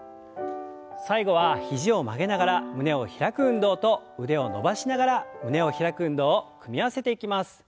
最後は肘を曲げながら胸を開く運動と腕を伸ばしながら胸を開く運動を組み合わせていきます。